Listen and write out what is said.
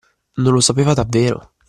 Non lo sapeva davvero!